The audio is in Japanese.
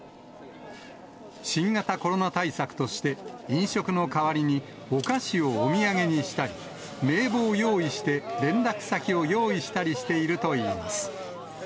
新型コロナ対策として、飲食の代わりにお菓子をお土産にしたり、名簿を用意して、連絡先を用意したりしているといいます。